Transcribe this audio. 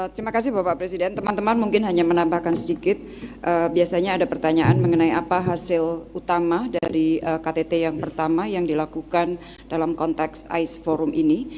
terima kasih bapak presiden teman teman mungkin hanya menambahkan sedikit biasanya ada pertanyaan mengenai apa hasil utama dari ktt yang pertama yang dilakukan dalam konteks ais forum ini